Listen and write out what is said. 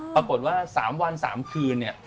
ปรากฏว่า๓วัน๓คืนเนี่ย